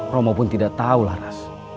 romo pun tidak tahulah ras